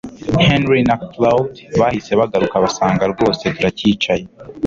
Henry na Claude bahise bagaruka basanga rwose turacyicaye